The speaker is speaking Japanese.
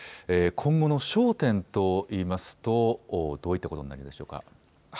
今後の焦点といいますとどういったことになるんでしょうか。